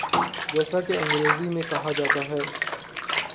جیسا کہ انگریزی میں کہا جاتا ہے۔